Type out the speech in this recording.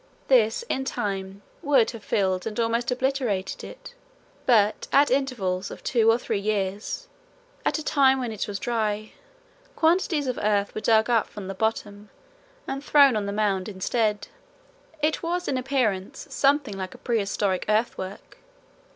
This in time would have filled and almost obliterated it, but at intervals of two or three years, at a time when it was dry, quantities of earth were dug up from the bottom and thrown on the mound inside. It was in appearance something like a prehistoric earthwork.